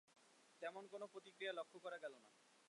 তেমন কোনো প্রতিক্রিয়া লক্ষ করা গেল না।